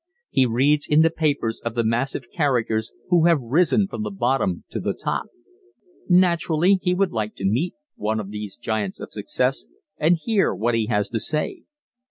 He reads in the papers of the massive characters who have risen from the bottom to the top. Naturally he would like to meet one of these giants of success and hear what he has to say.